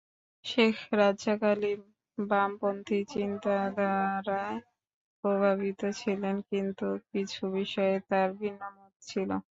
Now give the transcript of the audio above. শেখ রাজ্জাক আলী বামপন্থী চিন্তাধারায় প্রভাবিত ছিলেন, কিন্তু কিছু বিষয়ে তাঁর ভিন্নমত ছিল।